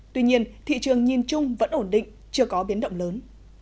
tuy nhiên thị trường nhìn chung vẫn ổn định chưa có biến động lớn